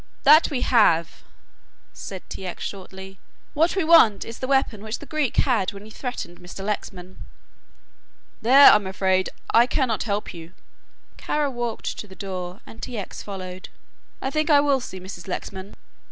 "That we have," said T. X. shortly. "What we want is the weapon which the Greek had when he threatened Mr. Lexman." "There, I'm afraid I cannot help you." Kara walked to the door and T. X. followed. "I think I will see Mrs. Lexman."